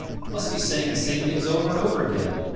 Must be saying the same things over and over again.